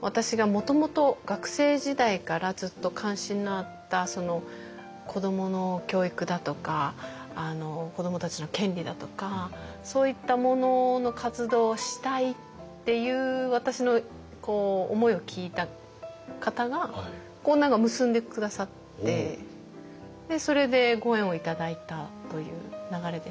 私がもともと学生時代からずっと関心のあった子どもの教育だとか子どもたちの権利だとかそういったものの活動をしたいっていう私の思いを聞いた方がこう何か結んで下さってそれでご縁を頂いたという流れでしたね。